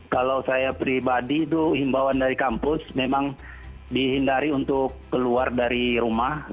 kalau saya pribadi itu himbawan dari kampus memang dihindari untuk keluar dari rumah